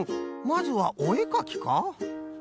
まずはおえかきか？